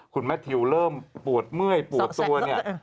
คุณแมททิวเริ่มปวดเมื่อยปวดตัวเนี่ย